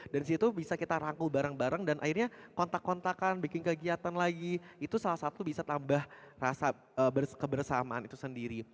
dan di situ bisa kita rangkul bareng bareng dan akhirnya kontak kontakan bikin kegiatan lagi itu salah satu bisa tambah rasa kebersamaan itu sendiri